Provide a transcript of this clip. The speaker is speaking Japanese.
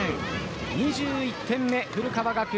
２１点目、古川学園。